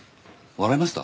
笑いました？